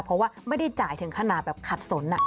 เพราะว่าไม่ได้จ่ายถึงขนาดแบบขัดสน